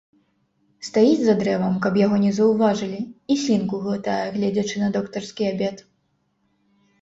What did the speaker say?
Стаіць за дрэвам, каб яго не заўважылі, і слінку глытае, гледзячы на доктарскі абед.